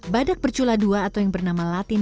badak percula dua atau yang bernama latin